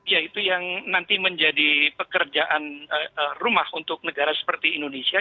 ya itu yang nanti menjadi pekerjaan rumah untuk negara seperti indonesia